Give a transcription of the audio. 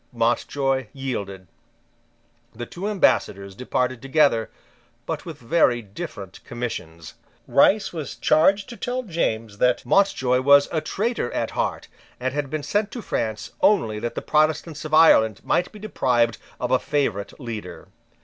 Mountjoy yielded. The two ambassadors departed together, but with very different commissions. Rice was charged to tell James that Mountjoy was a traitor at heart, and had been sent to France only that the Protestants of Ireland might be deprived of a favourite leader.